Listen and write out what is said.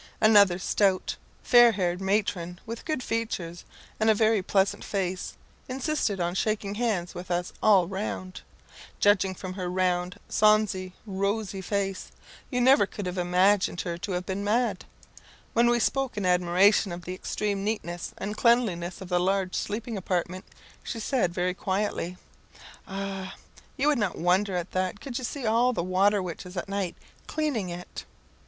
Another stout, fair haired matron, with good features and a very pleasant face, insisted on shaking hands with us all round. Judging from her round, sonsy, rosy face, you never could have imagined her to have been mad. When we spoke in admiration of the extreme neatness and cleanness of the large sleeping apartment, she said very quietly "Ah, you would not wonder at that could you see all the water witches at night cleaning it."